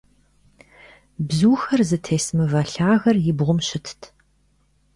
Бзухэр зытес мывэ лъагэр и бгъум щытт.